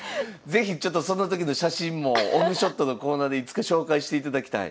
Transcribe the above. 是非ちょっとその時の写真もオフショットのコーナーでいつか紹介していただきたい。